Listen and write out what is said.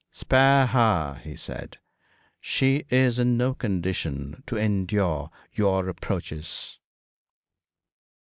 'Spare her,' he said. 'She is in no condition to endure your reproaches.'